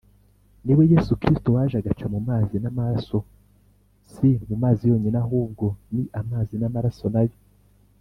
Ni we Yesu Kristo waje agaca mu mazi n’amaraso, si mu mazi yonyine ahubwo ni amazi n’amaraso na yo,